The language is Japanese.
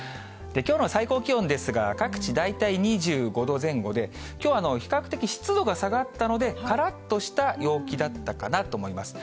きょうの最高気温ですが、各地、大体２５度前後で、きょうは比較的湿度が下がったので、からっとした陽気だったかなと思います。